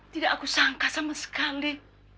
tidak aku sangka sama sekali